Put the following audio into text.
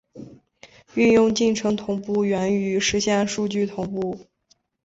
常用进程同步原语实现数据同步。